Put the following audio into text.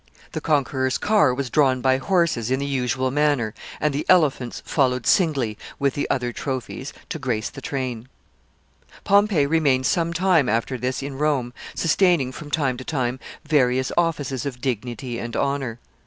The conqueror's car was drawn by horses in the usual manner, and the elephants followed singly, with the other trophies, to grace the train. [Sidenote: His course of conduct at Rome.] Pompey remained some time after this in Rome, sustaining from time to time various offices of dignity and honor.